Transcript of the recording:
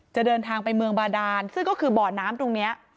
เดินทางไปเมืองบาดานซึ่งก็คือบ่อน้ำตรงนี้